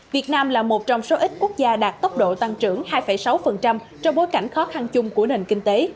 việt nam là một trong số ít quốc gia đạt tốc độ tăng trưởng hai sáu trong bối cảnh khó khăn chung của nền kinh tế